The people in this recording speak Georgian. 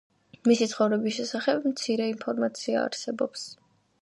მისი ცხოვრების შესახებ მცირე ინფორმაცია არსებობს.